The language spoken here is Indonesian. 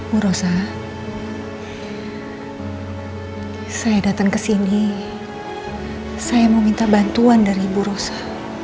bu rosa saya datang kesini saya mau minta bantuan dari ibu rosa